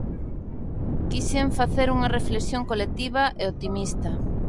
Quixen facer unha reflexión colectiva e optimista.